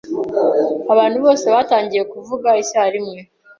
Abantu bose batangiye kuvuga icyarimwe.